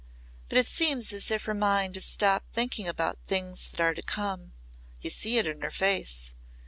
But it seems as if her mind has stopped thinking about things that are to come. You see it in her face.